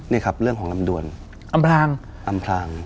นี่ครับเรื่องของลำดวนอำพลางอำพลาง